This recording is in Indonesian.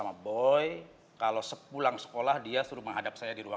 kok bisa langsung ketemu gini ya